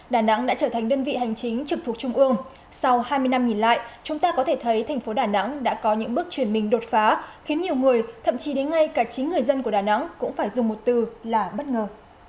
đà nẵng đã trở thành đơn vị hành chính trực thuộc trung ương sau hai mươi năm nhìn lại chúng ta có thể thấy thành phố đà nẵng đã có những bước chuyển mình đột phá khiến nhiều người thậm chí đến ngay cả chính người dân của đà nẵng cũng phải dùng một từ là bất ngờ